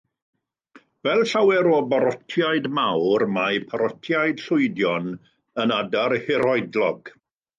Fel llawer o barotiaid mawr, mae parotiaid llwydion yn adar hirhoedlog.